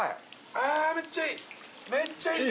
あめっちゃいい。